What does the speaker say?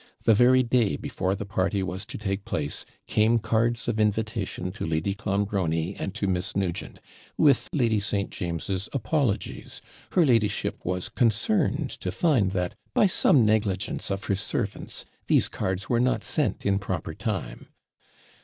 The very day before the party was to take place came cards of invitation to Lady Clonbrony and to Miss Nugent, with Lady St. James's apologies; her ladyship was concerned to find that, by some negligence of her servants, these cards were not sent in proper time.